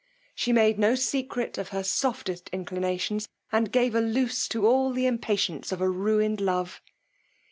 She made no secret of her softest inclinations, and gave a loose to all the impatience of a ruined love.